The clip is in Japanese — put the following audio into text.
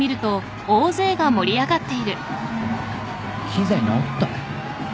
・機材直った？